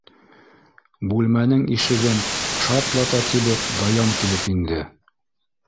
Бүлмәнең ишеген шартлата тибеп Даян килеп инде.